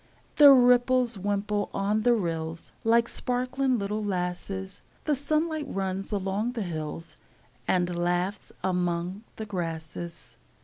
The ripples wimple on the rills, Like sparkling little lasses; The sunlight runs along the hills, And laughs among the grasses.